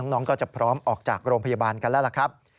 น้องก็จะพร้อมออกจากโรงพยาบาลกันแล้วล่ะครับ